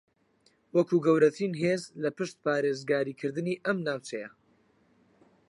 وەکو گەورەترین ھێز لە پشت پارێزگاریکردنی ئەم ناوچەیە